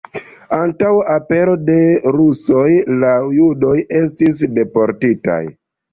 Antaŭ apero de rusoj la judoj estis deportitaj.